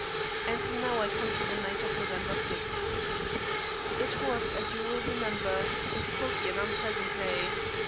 And now I come to the night of November 6. It was, as you will remember, a foggy and unpleasant day.